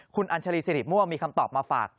คุณอัญชาลีสิริม่วงมีคำตอบมาฝาก